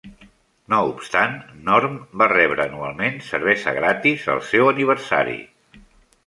No obstant, Norm va rebre anualment cervesa gratis al seu aniversari.